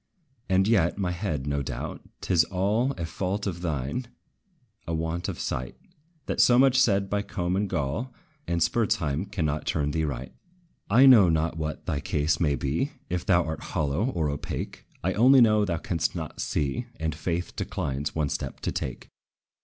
And yet, my head, no doubt, 't is all A fault of thine, a want of sight, That so much said by Combe and Gall And Spurzheim cannot turn thee right. I know not what thy case may be, If thou art hollow, or opaque; I only know thou canst not see, And faith declines one step to take.